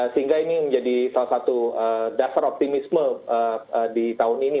sehingga ini menjadi salah satu dasar optimisme di tahun ini